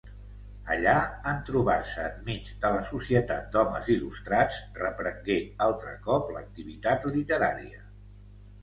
Allà, en trobar-se enmig de la societat d'homes il·lustrats, reprengué altre cop l'activitat literària.